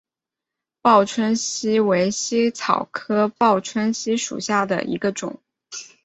报春茜为茜草科报春茜属下的一个种。